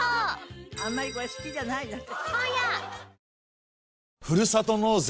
あんまりこれ好きじゃないなって。